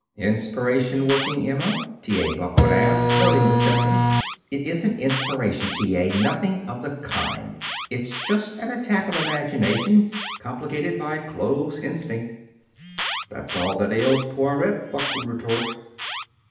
"Inspiration working, Emma?" T. A. Buck would ask, noting the symptoms. "It isn't inspiration, T. A. Nothing of the kind! It's just an attack of imagination, complicated by clothes instinct." "That's all that ails Poiret," Buck would retort.